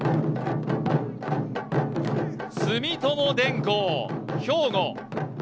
住友電工・兵庫。